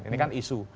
ini kan isu